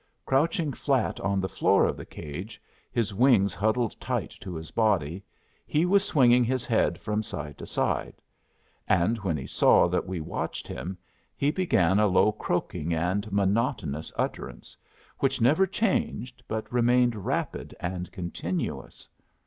Crouching flat on the floor of the cage, his wings huddled tight to his body, he was swinging his head from side to side; and when he saw that we watched him, he began a low croaking and monotonous utterance, which never changed, but remained rapid and continuous.